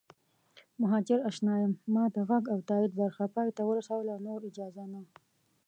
مهاجراشنا یم ما د غږ او تایید برخه پای ته ورسوله نور اجازه نه